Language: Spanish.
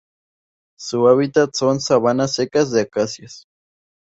Su hábitat son las sabanas secas de acacias.